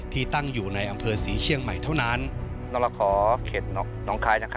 ที่ตั้งอยู่ในอำเภอศรีเชี่ยงใหม่เท่านั้น